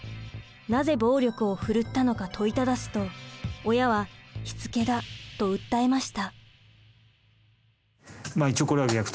なぜ暴力を振るったのか問いただすと親は「しつけだ」と訴えました。